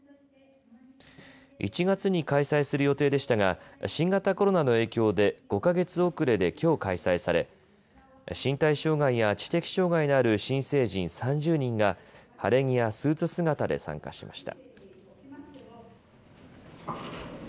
１月に開催する予定でしたが新型コロナの影響で５か月遅れできょう開催され身体障害や知的障害のある新成人３０人が晴れ着やスーツ姿で参加しました。